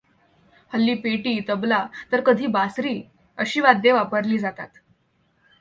हल्ली पेटी तबला तर कधी बासरी अशी वाद्ये वापरली जातात.